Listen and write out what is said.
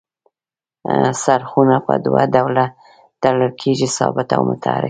څرخونه په دوه ډوله تړل کیږي ثابت او متحرک.